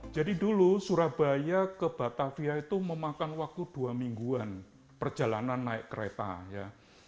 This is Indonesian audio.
jadi dulu surabaya ke batavia itu memakan waktu dua mingguan perjalanan naik kereta